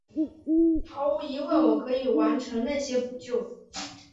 毫无疑问我可以完成那些扑救！